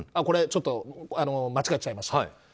これ、ちょっと間違っちゃいましたと。